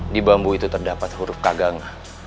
di bambu itu terdapat huruf kagang